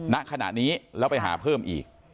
ณขณะนี้แล้วไปหาเพิ่มอีก